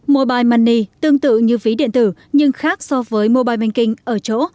mobile money tương tự như ví điện tử nhưng khác so với mobile banking ở chỗ